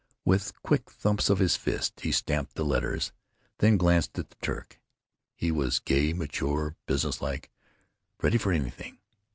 With quick thumps of his fist he stamped the letters, then glanced at the Turk. He was gay, mature, business like, ready for anything.